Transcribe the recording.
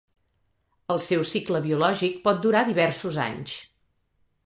El seu cicle biològic pot durar diversos anys.